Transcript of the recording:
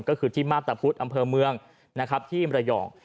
ก็คือที่มาพตะพุธอำเภอเมืองนะครับที่มรยอง